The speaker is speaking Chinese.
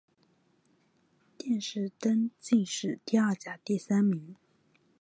殿试登进士第二甲第三名。